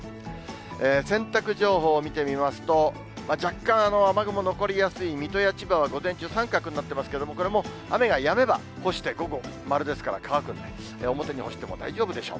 洗濯情報見てみますと、若干、雨雲残りやすい水戸や千葉は午前中、三角になってますけれども、これも雨がやめば、干して午後、丸ですから、乾くんで、表に干しても大丈夫でしょう。